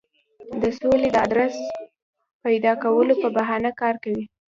د سولې د آدرس پیدا کولو په بهانه کار کوي.